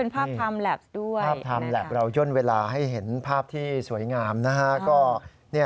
ภาพไทม์แล็บเราย่นเวลาให้เห็นภาพที่สวยงามนะครับ